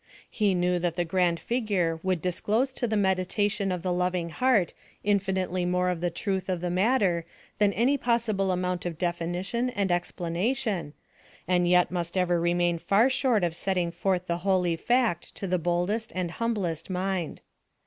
He knew that the grand figure would disclose to the meditation of the loving heart infinitely more of the truth of the matter than any possible amount of definition and explanation, and yet must ever remain far short of setting forth the holy fact to the boldest and humblest mind.